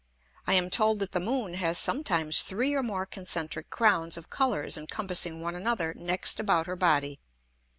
I am told that the Moon has sometimes three or more concentrick Crowns of Colours encompassing one another next about her Body.